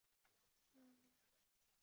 史色甲龙被归类于甲龙科的甲龙亚科。